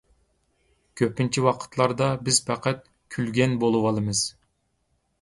كۆپىنچە ۋاقىتلاردا بىز پەقەت كۈلگەن بولىۋالىمىز